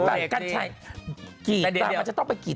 แต่เดี๋ยวดูตามันจะต้องกอดไป